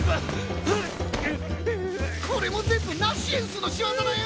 これも全部ナシエンスの仕業だよ